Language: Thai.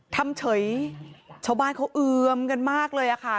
ทำเฉยชาวบ้านเขาเอือมกันมากเลยค่ะ